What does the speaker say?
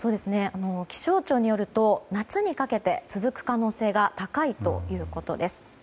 気象庁によると夏にかけて続く可能性が高いということです。